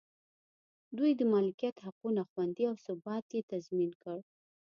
دوی د مالکیت حقونه خوندي او ثبات یې تضمین کړ.